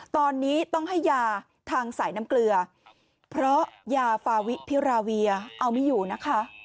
ตอนนี้ต้องให้ยาทางสายน้ำเกลือเพราะยาฟาวิพิราเวียเอาไม่อยู่นะคะ